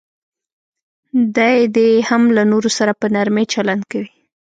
دی دې هم له نورو سره په نرمي چلند کوي.